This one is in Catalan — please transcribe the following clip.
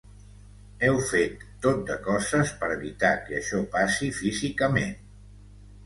Heu fet tot de coses per evitar que això passi físicament.